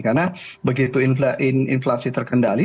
karena begitu inflasi terkendali